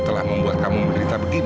telah membuat kamu menderita begini